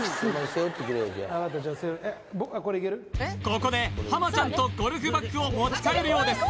ここで浜ちゃんとゴルフバッグを持ち替えるようです